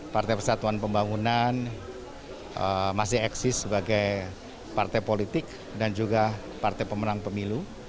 partai persatuan pembangunan masih eksis sebagai partai politik dan juga partai pemenang pemilu